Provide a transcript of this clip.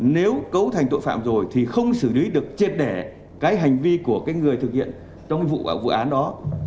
nếu cấu thành tội phạm rồi thì không xử lý được chết đẻ cái hành vi của cái người thực hiện trong cái vụ án đó